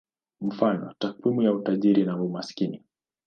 Mfano: takwimu ya utajiri na umaskini.